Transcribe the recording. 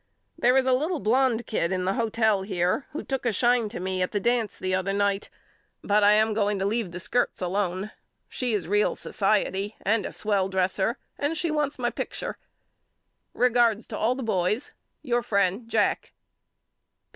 There is a little blonde kid in the hotel here who took a shine to me at the dance the other night but I am going to leave the skirts alone. She is real society and a swell dresser and she wants my picture. Regards to all the boys. Your friend, JACK.